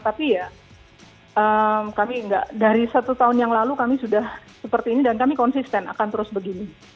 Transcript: tapi ya kami nggak dari satu tahun yang lalu kami sudah seperti ini dan kami konsisten akan terus begini